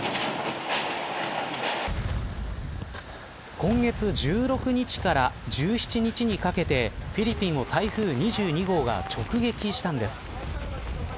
今月１６日から１７日にかけてフィリピンを台風２２号が直撃したんです。